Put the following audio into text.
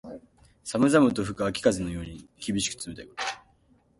寒々と吹く秋風のように、厳しく冷たいこと。